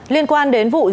liên quan đến vụ dùng sủng